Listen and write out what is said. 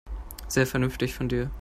Sehr vernünftig von dir.